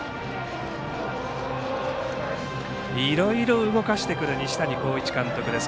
いろいろ動かしてくる西谷浩一監督です。